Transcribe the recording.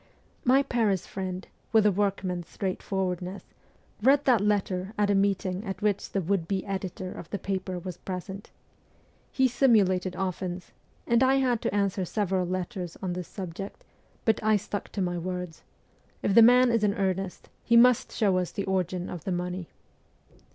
My Paris friend, with a workman's straightforwardness, read that letter at a meeting at which the would be editor of the paper was present. He simulated offence, and I had WESTERN EUROPE 295 to answer several letters on this subject ; but I stuck to my words :' If the man is in earnest, he must show us the origin of the money.'